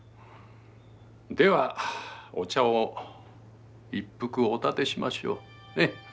ではお茶を一服おたてしましょう。